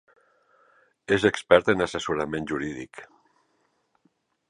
És expert en assessorament jurídic.